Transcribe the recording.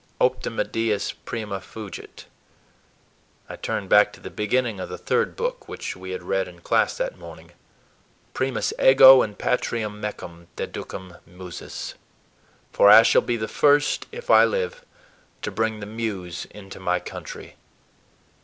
"Optima dies … prima fugit." I turned back to the beginning of the third book, which we had read in class that morning. "Primus ego in patriam mecum … deducam Musas"; "for I shall be the first, if I live, to bring the Muse into my country."